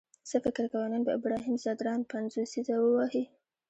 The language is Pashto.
څه فکر کوئ نن به ابراهیم ځدراڼ پنځوسیزه ووهي؟